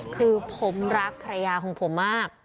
คือผมรักภรรยาของผมมาก